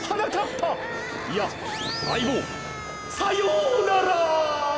ぱいやあいぼうさようなら！